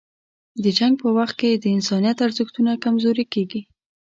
د جنګ په وخت کې د انسانیت ارزښتونه کمزوري کېږي.